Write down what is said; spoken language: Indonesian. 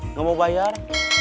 nggak mau bayar